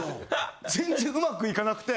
全然うまくいかなくて。